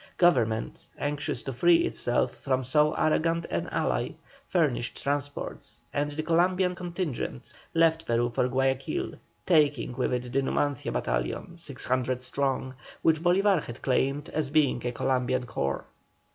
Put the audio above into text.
Government, anxious to free itself from so arrogant an ally, furnished transports, and the Columbian contingent left Peru for Guayaquil, taking with it the Numancia battalion, 600 strong, which Bolívar had claimed, as being a Columbian corps.